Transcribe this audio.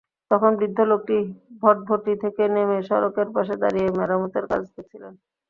তখন বৃদ্ধ লোকটি ভটভটি থেকে নেমে সড়কের পাশে দাঁড়িয়ে মেরামতের কাজ দেখছিলেন।